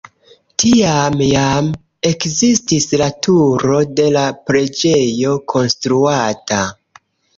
Tiam jam ekzistis la turo de la preĝejo konstruata.